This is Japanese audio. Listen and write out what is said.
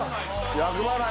厄払い。